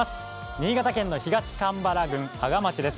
新潟県の東蒲原郡阿賀町です。